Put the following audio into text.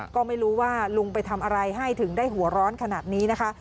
ก็ไม่รู้ว่าลุงไปทำอะไรให้ถึงได้หัวร้อนขนาดนี้นะคะ